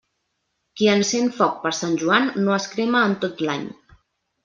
Qui encén foc per Sant Joan, no es crema en tot l'any.